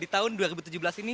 di tahun dua ribu tujuh belas ini